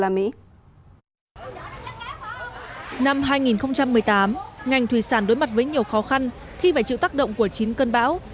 năm hai nghìn một mươi tám ngành thủy sản đối mặt với nhiều khó khăn khi phải chịu tác động của chín cơn bão